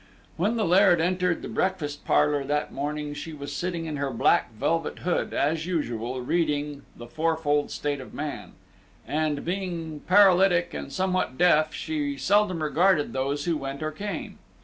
When the Laird entered the breakfast parlor that morning she was sitting in her black velvet hood, as usual, reading The Fourfold State of Man, and, being paralytic and somewhat deaf, she seldom regarded those who went or came.